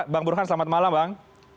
bang burhan selamat malam bang